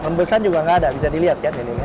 rembesan juga tidak ada bisa dilihat